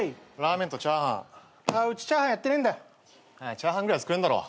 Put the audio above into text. チャーハンぐらい作れんだろ。